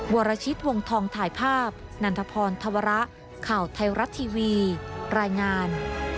วรชิตวงทองถ่ายภาพนันทพรธวระข่าวไทยรัฐทีวีรายงาน